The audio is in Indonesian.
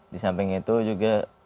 di samping itu juga